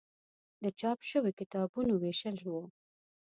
د چاپ شویو کتابونو ویشل و.